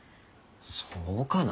そうかなぁ？